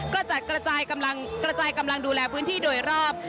ก็จัดกระจายกำลังดูแลพื้นที่โดยรอบ